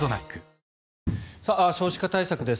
少子化対策です。